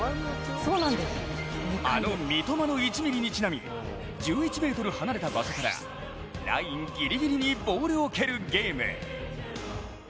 あの三笘の１ｍｍにちなみ１１ｍ離れた場所からラインギリギリにボールを蹴るゲーム。